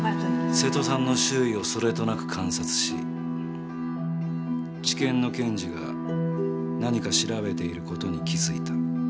瀬戸さんの周囲をそれとなく観察し地検の検事が何か調べている事に気づいた。